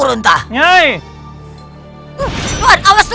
aku akan menjagamu